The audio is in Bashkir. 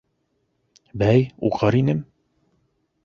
— Бәй, уҡыр инем.